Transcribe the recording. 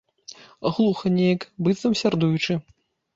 Глуха неяк, быццам сярдуючы.